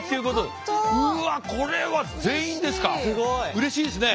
うれしいですね。